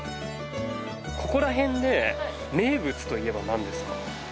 ここら辺で名物といえばなんですか？